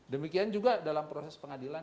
demikian juga dalam proses pengadilan